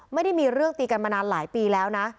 ไม่ได้มีเรื่องตีกันมานานหลายปีแล้วนะ